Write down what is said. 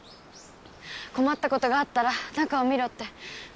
困ったことがあったら中を見ろって。